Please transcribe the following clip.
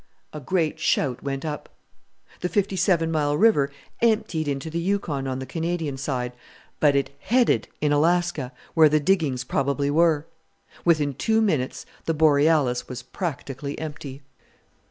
A great shout went up. The Fifty Seven Mile River emptied into the Yukon on the Canadian side, but it "headed" in Alaska, where the diggings probably were. Within two minutes the Borealis was practically empty.